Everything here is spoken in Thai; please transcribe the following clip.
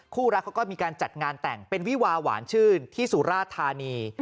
รักเขาก็มีการจัดงานแต่งเป็นวิวาหวานชื่นที่สุราธานี